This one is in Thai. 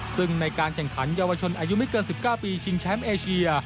ซึ่งในการแข่งขันเยาวชนอายุไม่เกิน๑๙ปีชิงแชมป์เอเชีย